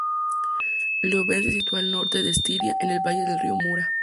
Leoben se sitúa en el norte de Estiria, en el valle del río Mura.